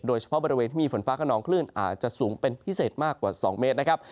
โดยเฉพาะบริเวณที่มีฝนฟ้าขนองคลื่นอาจจะสูงเป็นพิเศษมากกว่า๒เมตรนะครับ